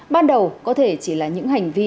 ban đầu có thể chỉ là những hành vi